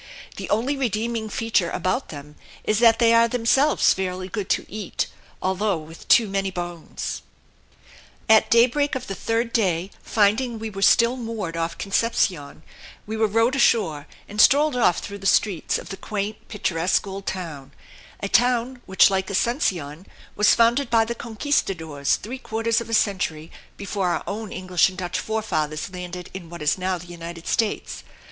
The only redeeming feature about them is that they are themselves fairly good to eat, although with too many bones. At daybreak of the third day, finding we were still moored off Concepcion, we were rowed ashore and strolled off through the streets of the quaint, picturesque old town; a town which, like Asuncion, was founded by the conquistadores three quarters of a century before our own English and Dutch forefathers landed in what is now the United States.